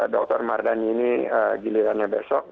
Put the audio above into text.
dr mardhani ini gilirannya besok